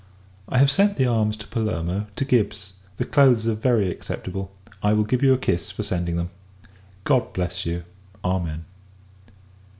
I have sent the arms to Palermo, to Gibbs. The clothes are very acceptable; I will give you a kiss, for sending them. God bless you! Amen.